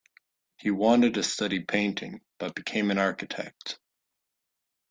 He wanted to study painting, but became an architect.